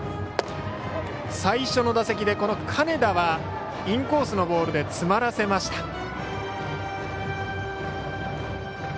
最初の打席で金田はインコースのボールで詰まらせました。